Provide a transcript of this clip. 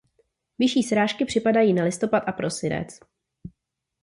Vyšší srážky připadají na listopad a prosinec.